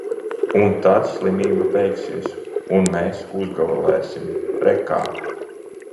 Un tad slimība beigsies. Un mēs uzgavilēsim – re, kā!